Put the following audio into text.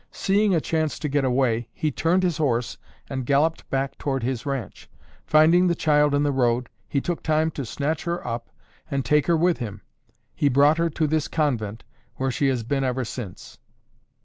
Seeing a chance to get away, he turned his horse and galloped back toward his ranch. Finding the child in the road, he took time to snatch her up and take her with him. He brought her to this convent where she has been ever since."